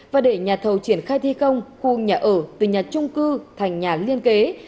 và để nhà thầu triển khai thi công khu nhà ở từ nhà trung cư thành nhà liên kế